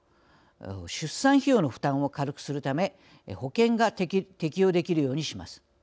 出産費用の負担を軽くするため保険が適用できるようにします。